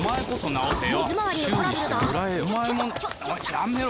やめろ！